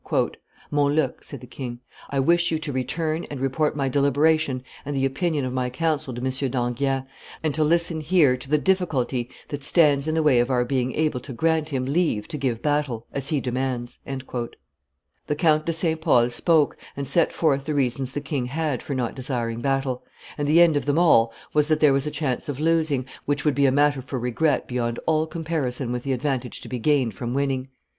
"Montluc," said the king, "I wish you to return and report my deliberation and the opinion of my council to M. d'Enghien, and to listen here to the difficulty that stands in the way of our being able to grant him leave to give battle, as he demands." The Count de St. Pol spoke and set forth the reasons the king had for not desiring battle; and the end of them all was that there was a chance of losing, which would be a matter for regret beyond all comparison with the advantage to be gained from winning.